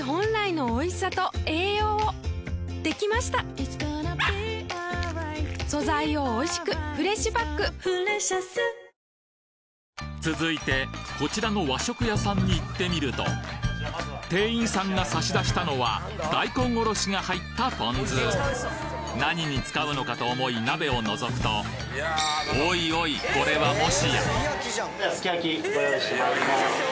キリンのクラフトビール「スプリングバレー」続いてこちらの和食屋さんに行ってみると店員さんが差し出したのは大根おろしが入ったポン酢何に使うのかと思い鍋を覗くとおいおいこれはすき焼きご用意してます。